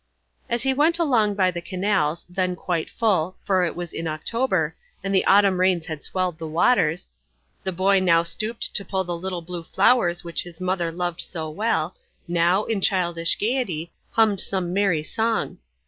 As he went along by the canals, then quite full, for it was in October, and the autumn rains had swelled the waters, the boy now stooped to pull the little blue flowers which his mother loved so well, now, in childish gaiety, hummed some merry song.